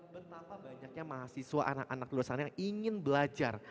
betapa banyaknya mahasiswa anak anak di luar sana yang ingin belajar